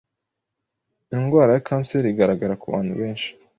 indwara ya Cancer igaragara ku bantu benshi